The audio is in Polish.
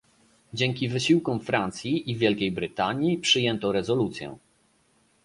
Dzięki wysiłkom Francji i Wielkiej Brytanii przyjęto rezolucję